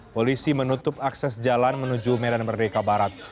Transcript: polisi menutup akses jalan menuju medan merdeka barat